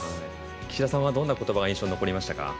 岸田さんはどんなことばが印象に残りましたか？